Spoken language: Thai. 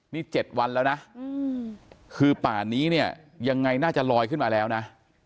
นี่๗วันแล้วนะคือป่านี้เนี่ยยังไงน่าจะลอยขึ้นมาแล้วนะ